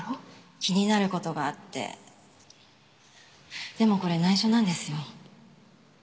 気になることがあってでもこれないしょなんですよ